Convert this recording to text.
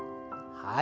はい。